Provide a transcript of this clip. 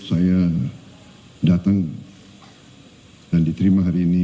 saya datang dan diterima hari ini